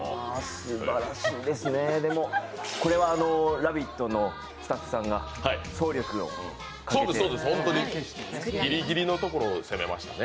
すばらしいですねでもこれは「ラヴィット！」のスタッフさんが総力をかけてそうです、そうです、本当に、ギリギリのところを攻めましたね。